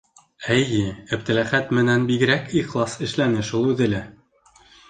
Әйе, Әптеләхәт менән бигерәк ихлас эшләне шул үҙе лә.